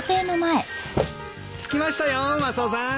着きましたよマスオさん。